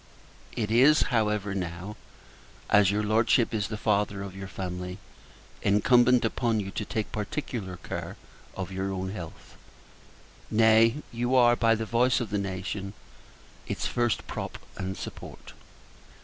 It is, however, now as your Lordship is the Father of your Family incumbent upon you to take particular care of your own health. Nay, you are, by the voice of the nation, its first prop and support.